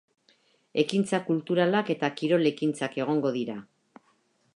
Ekintza kulturalak eta kirol ekintzak egongo dira.